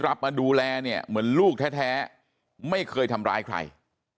มาดูแลเนี่ยเหมือนลูกแท้ไม่เคยทำร้ายใคร